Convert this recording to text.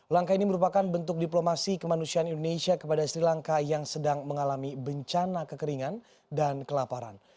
langkah ini merupakan bentuk diplomasi kemanusiaan indonesia kepada sri lanka yang sedang mengalami bencana kekeringan dan kelaparan